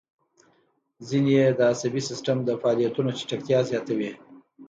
ځینې یې د عصبي سیستم د فعالیتونو چټکتیا زیاتوي.